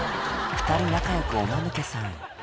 ２人仲良くおマヌケさん